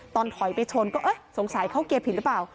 ถอยไปชนก็เออสงสัยเข้าเกียร์ผิดหรือเปล่า